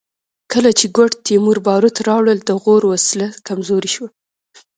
کله چې ګوډ تیمور باروت راوړل د غور وسله کمزورې شوه